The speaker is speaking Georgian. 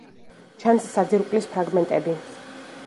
ჩანს საძირკვლის ფრაგმენტები.